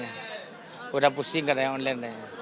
iya sudah pusing karena online